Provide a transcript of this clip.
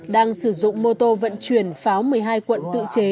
đang sử dụng mô tô vận chuyển pháo một mươi hai cuộn tự chế